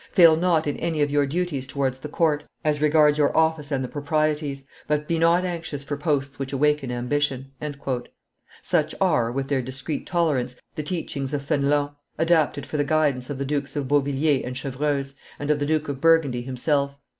Fail not in any of your duties towards the court, as regards your office and the proprieties, but be not anxious for posts which awaken ambition." Such are, with their discreet tolerance, the teachings of Fenelon, adapted for the guidance of the Dukes of Beauvilliers and Chevreuse, and of the Duke of Burgundy himself.